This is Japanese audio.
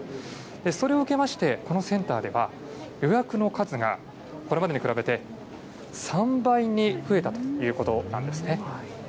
それを受けまして、このセンターでは、予約の数がこれまでに比べて３倍に増えたということなんですね。